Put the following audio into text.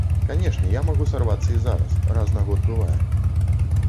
Канечне, я магу сарвацца і зараз, раз на год бывае.